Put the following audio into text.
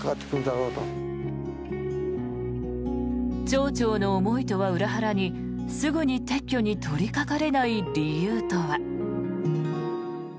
町長の思いとは裏腹にすぐに撤去に取りかかれない理由とは。